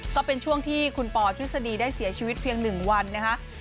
ก็เป็นช่วงที่คุณป่าวชุดสดีได้เสียชีวิตเพียง๑วันนะครับ